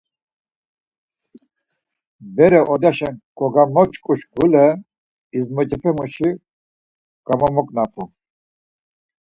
Bere odaşa kogamvoşǩu şuǩule ezmocepemuşi gamomognapu.